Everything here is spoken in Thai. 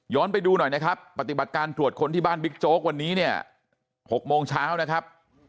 ไปดูหน่อยนะครับปฏิบัติการตรวจคนที่บ้านบิ๊กโจ๊กวันนี้เนี่ย๖โมงเช้านะครับ